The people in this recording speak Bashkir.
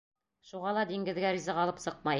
Шуға ла диңгеҙгә ризыҡ алып сыҡмай.